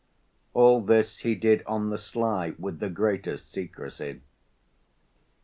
All this he did on the sly, with the greatest secrecy.